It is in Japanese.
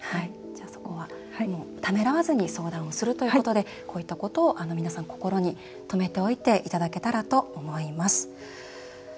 そこは、ためらわずに相談をするということでこういったことを皆さん心に留めておいていただけたらと思います。